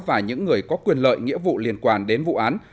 và những người có quyền lợi nghĩa vụ liên quan đến vụ án